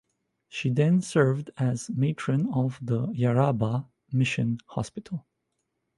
She then served as matron of the Yarrabah mission hospital.